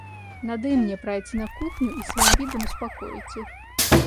Надо и мне пройти на кухню и своим видом успокоить их.